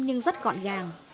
nhưng rất gọn gàng